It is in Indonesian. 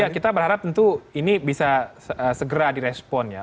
ya kita berharap tentu ini bisa segera direspon ya